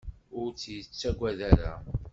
Ur tt-yettagad ara.